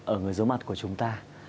ở người giống mặt của chúng ta